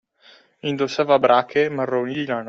Indossava brache marroni di lana